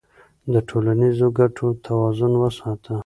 د ټولنیزو ګټو توازن وساته.